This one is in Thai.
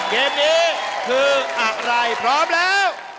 เกมนี้คืออะไรพร้อมแล้ว